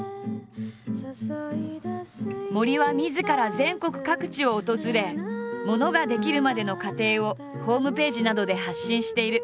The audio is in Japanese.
森はみずから全国各地を訪れものが出来るまでの過程をホームページなどで発信している。